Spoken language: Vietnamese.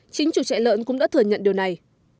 chính chủ trại lợn cũng đã thừa nhận điều này